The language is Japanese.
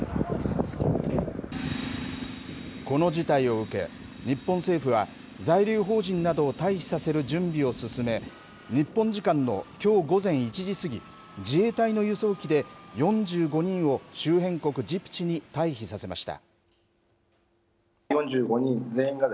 この事態を受け、日本政府は在留邦人などを退避させる準備を進め、日本時間のきょう午前１時過ぎ、自衛隊の輸送機で、４５人を周辺国ジブチに退避させました。